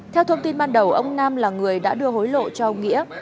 theo thông tin ban đầu ông nam là người đã đưa hối lộ cho ông nghĩa